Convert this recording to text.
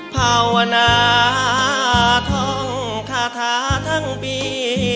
ภาวนาท่องคาถาทั้งปี